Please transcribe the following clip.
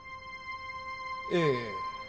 ええ。